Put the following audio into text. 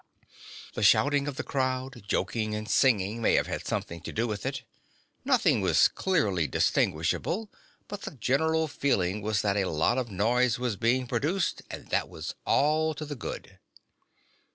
The shouting of the crowd, joking and singing, may have had something to do with it; nothing was clearly distinguishable, but the general feeling was that a lot of noise was being produced, and that was all to the good.